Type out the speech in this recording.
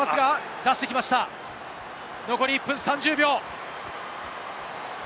残り１分３０秒。